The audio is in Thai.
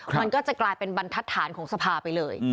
มันก็จะกลายเป็นบรรทัศนของสภาไปเลย